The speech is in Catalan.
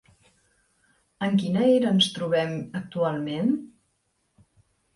En quina era ens trobem actualment?